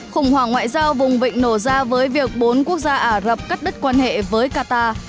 khủng hoảng ngoại giao vùng vịnh nổ ra với việc bốn quốc gia ả rập cắt đứt quan hệ với qatar